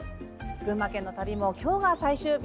群馬県の旅も今日が最終日。